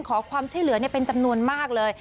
ขอความช่วยเหลือเป็นจำนวนมากเลย